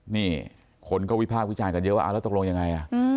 นี่คนก็วิพากษ์วิจารณ์กันเยอะว่าแล้วตกลงยังไง